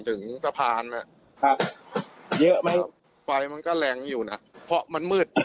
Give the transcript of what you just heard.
ถึงสะพานไหมครับเยอะไหมไฟมันก็แรงอยู่นะเพราะมันมืด